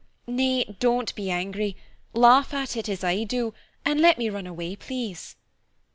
Nay, don't be angry, laugh at it, as I do, and let me run away, please."